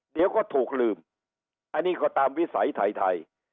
เดี๋ยวก็ถูกลืมอันนี้ก็ตามวิสัยไทย